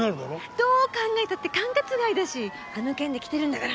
どう考えたって管轄外だしあの件で来てるんだから。